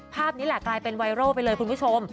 ภาพนี้แหละกลายเป็นไวรัลไปเลยคุณผู้ชม